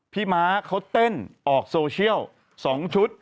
ม้าเขาเต้นออกโซเชียล๒ชุด